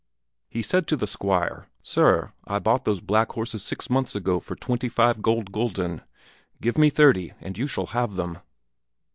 He said to the Squire, "Sir, I bought those black horses six months ago for twenty five gold gulden; give me thirty and you shall have them."